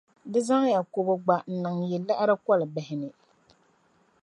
di zaŋya kɔbo gba n-niŋ yi liɣiri kolibihi ni.